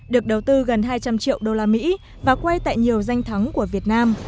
được đầu tư gần hai trăm linh triệu đô la mỹ và quay tại nhiều danh thắng của việt nam